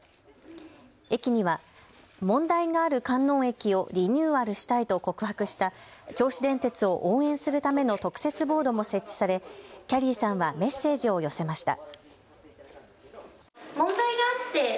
駅には問題がある観音駅をリニューアルしたいと告白した銚子電鉄を応援するための特設ボードも設置されきゃりーさんはメッセージを寄せました。